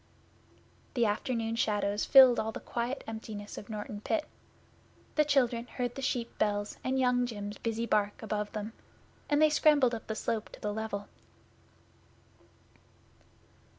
The afternoon shadows filled all the quiet emptiness of Norton Pit. The children heard the sheep bells and Young jim's busy bark above them, and they scrambled up the slope to the level.